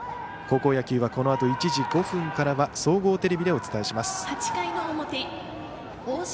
高校野球はこのあと１時５分からは総合テレビでお伝えします。